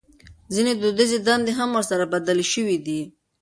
ځينې دوديزې دندې هم ورسره بدلې شوې دي.